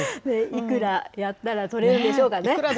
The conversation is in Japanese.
いくらやったら取れるんでしょうかね。